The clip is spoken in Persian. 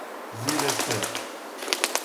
زیر صفر